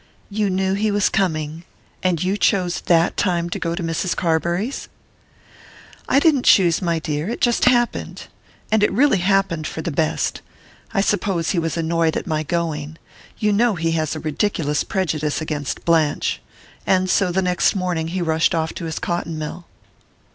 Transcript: "You knew he was coming and you chose that time to go to Mrs. Carbury's?" "I didn't choose, my dear it just happened! And it really happened for the best. I suppose he was annoyed at my going you know he has a ridiculous prejudice against Blanche and so the next morning he rushed off to his cotton mill."